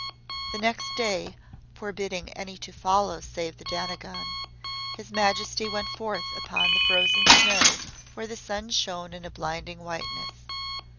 The next day, forbidding any to follow save the Dainagon, His Majesty went forth upon the frozen snow where the sun shone in a blinding whiteness.